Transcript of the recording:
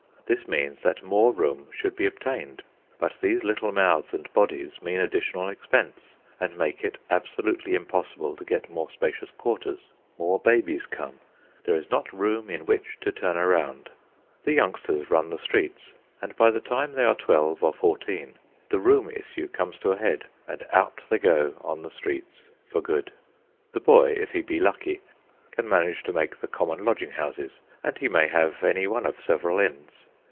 This means that more room should be obtained; but these little mouths and bodies mean additional expense and make it absolutely impossible to get more spacious quarters. More babies come. There is not room in which to turn around. The youngsters run the streets, and by the time they are twelve or fourteen the room issue comes to a head, and out they go on the streets for good. The boy, if he be lucky, can manage to make the common lodging houses, and he may have any one of several ends.